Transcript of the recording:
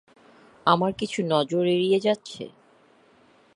আমার কিছু নজর এড়িয়ে যাচ্ছে?